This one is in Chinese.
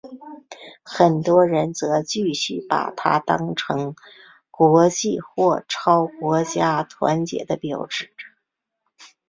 很多人则继续把它当成国际或超国家团结的标志。